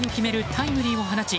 タイムリーを放ち